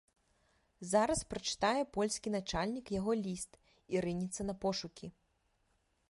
Зараз прачытае польскі начальнік яго ліст і рынецца на пошукі.